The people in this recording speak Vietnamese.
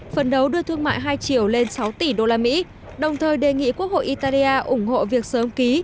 phần đấu đưa thương mại hai triệu lên sáu tỷ usd đồng thời đề nghị quốc hội italia ủng hộ việc sớm ký